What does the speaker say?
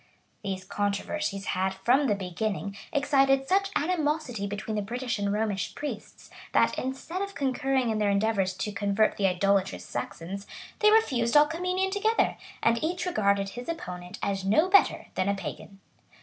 24] These controversies had, from the beginning, excited such animosity between the British and Romish priests that, instead of concurring in their endeavors to convert the idolatrous Saxons, they refused all communion together, and each regarded his opponent as no better than a pagan.